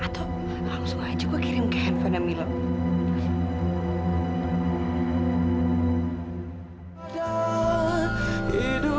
atau langsung aja gue kirim ke handphone namanya lo